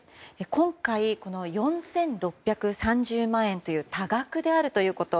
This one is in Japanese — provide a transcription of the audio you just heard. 今回４６３０万円という多額であるということ。